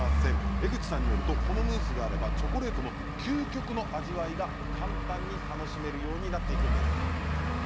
江口さんによるとこのムースがあればチョコレートの究極の味わいが簡単に楽しめるようになっていくんです。